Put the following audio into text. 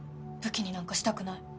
武器になんかしたくない。